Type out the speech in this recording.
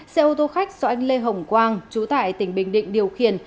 xe ô tô khách do anh lê hồng quang chú tại tỉnh bình định điều khiển